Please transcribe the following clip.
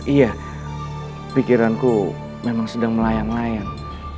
iya pikiranku memang sedang melayang layang